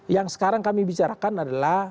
yang sekarang kami bicarakan adalah